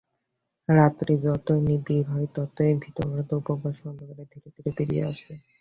রাত্রি যতই নিবিড় হয় ততই ভিতরকার উপবাসী জীবটা অন্ধকারে ধীরে ধীরে বেরিয়ে আসে।